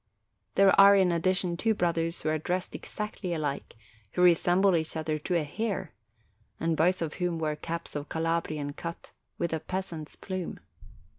There are, in addition, two brothers who are dressed exactly alike, who resemble each other to a hair, and both of whom wear caps of Calabrian cut, with a peasant's plume.